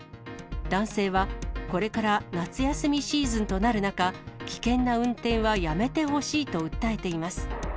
男性は、これから夏休みシーズンとなる中、危険な運転はやめてほしいと訴えています。